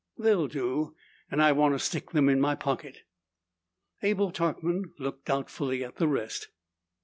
"They'll do and I want to stick them in my pocket." Abel Tarkman looked doubtfully at the rest.